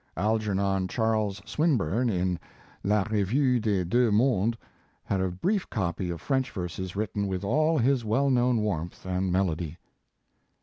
Algernon Charles Swinburne in La Revue des Duex Mondes, had a brief copy of French verses, written with all his well known warmth and melody.